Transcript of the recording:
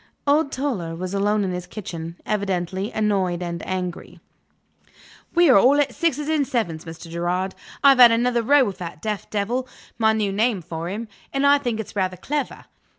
Old Toller was alone in his kitchen, evidently annoyed and angry. "We are all at sixes and sevens, Mr. Gerard. I've had another row with that deaf devil my new name for him, and I think it's rather clever.